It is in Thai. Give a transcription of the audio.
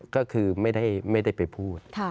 ก็คือไม่ได้ไปพูด